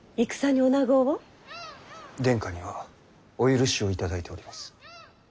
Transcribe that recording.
殿下にはお許しを頂いております。